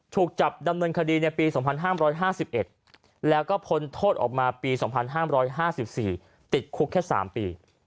ถูกจับดำเนินคดีในปี๒๕๕๑แล้วก็พ้นโทษออกมาปี๒๕๕๔ติดคุกแค่๓ปี